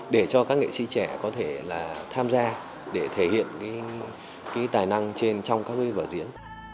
để cho các nghệ sĩ trẻ có thể tham gia để thể hiện cái tài năng trên trong các vở diễn